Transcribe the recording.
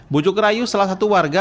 bujuk rayu salah satu warga